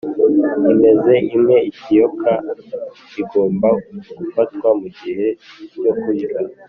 "imeza imwe-ikiyiko igomba gufatwa mugihe cyo kuryama."